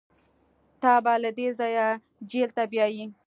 تا به له دې ځايه جېل ته بيايي.